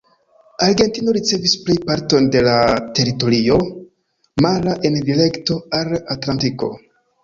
Argentino ricevis plej parton de la teritorio mara en direkto al Atlantiko.